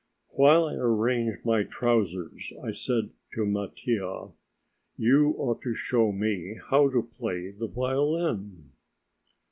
"While I arrange my trousers," I said to Mattia, "you ought to show me how you play the violin."